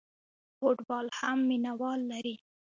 فوټبال هم مینه وال لري.